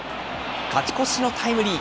勝ち越しのタイムリー。